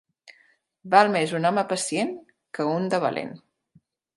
Val més un home pacient que un de valent.